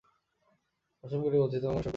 কসম কেটে বলছি তোমাকে অনুসরণ করছি না।